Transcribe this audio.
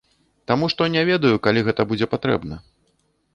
Таму што не ведаю, калі гэта будзе патрэбна.